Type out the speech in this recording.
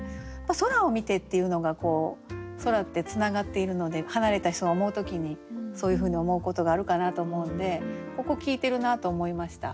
「空を見て」っていうのが空ってつながっているので離れた人を思う時にそういうふうに思うことがあるかなと思うのでここ効いてるなと思いました。